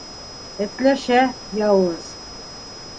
Этләшә, яуыз.